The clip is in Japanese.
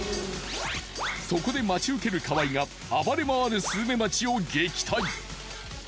そこで待ち受ける河合が暴れまわるスズメバチを撃退。